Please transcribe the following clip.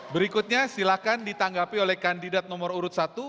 berikutnya silahkan ditanggapi oleh kandidat nomor urut satu